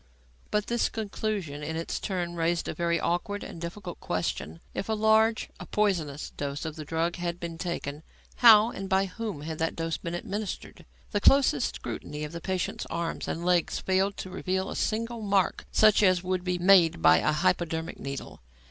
But this conclusion in its turn raised a very awkward and difficult question. If a large a poisonous dose of the drug had been taken, how, and by whom had that dose been administered? The closest scrutiny of the patient's arms and legs failed to reveal a single mark such as would be made by a hypodermic needle.